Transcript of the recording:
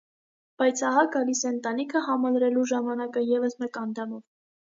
Բայց ահա գալիս է ընտանիքը համալրելու ժամանակը ևս մեկ անդամով։